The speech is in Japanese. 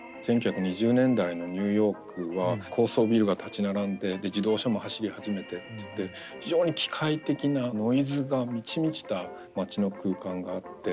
１９２０年代のニューヨークは高層ビルが立ち並んで自動車も走り始めて非常に機械的なノイズが満ち満ちた街の空間があって。